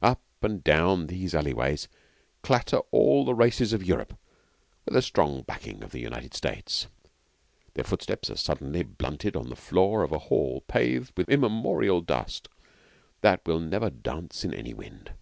Up and down these alley ways clatter all the races of Europe with a solid backing of the United States. Their footsteps are suddenly blunted on the floor of a hall paved with immemorial dust that will never dance in any wind.